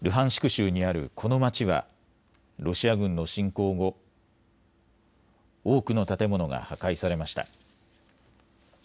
州にあるこの街はロシア軍の侵攻後、多くの建物が破壊されました。